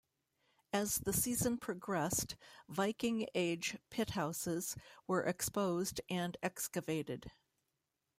As the season progressed Viking Age pit houses were exposed and excavated.